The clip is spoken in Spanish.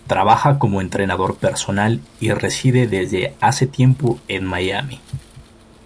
Trabaja como entrenador personal y reside desde hace tiempo en Miami.